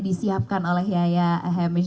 disiapkan oleh yaya heimis